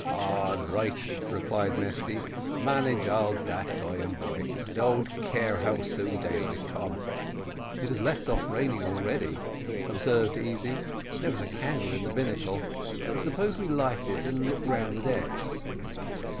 "All right," replied Mesty, "manage all dat by and bye. Don't care how soon daylight come." "It has left off raining already," observed Easy; "there is a candle in the binnacle suppose we light it and look round the decks."